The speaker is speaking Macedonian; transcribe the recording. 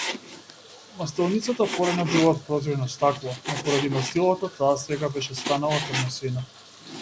Мастилницата порано била од проѕирно стакло, но поради мастилото таа сега беше станала темносина.